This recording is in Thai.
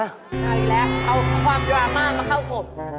เอาอีกแล้วเอาความร้อนมากมาเข้าขม